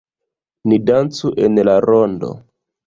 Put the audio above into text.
Ni dancu en la rondo.